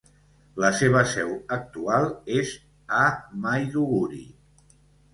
La seva seu actual és a Maiduguri.